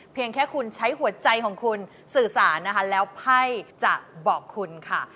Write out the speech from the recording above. แค่คุณใช้หัวใจของคุณสื่อสารนะคะแล้วไพ่จะบอกคุณค่ะ